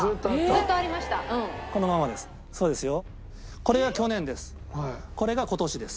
これが去年です。